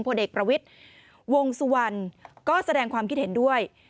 ผลเอกประวิทย์วงสุวรรณก็แสดงความคิดเห็นด้วย